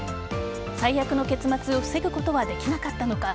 最悪の結末を防ぐことはできなかったのか。